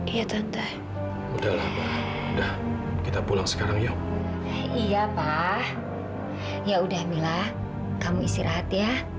iya tante udahlah udah kita pulang sekarang yuk iya pak ya udah mila kamu istirahat ya